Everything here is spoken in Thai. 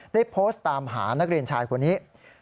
ได้โพสต์ตามหานักเรียนชายคนนี้